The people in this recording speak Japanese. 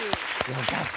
よかった！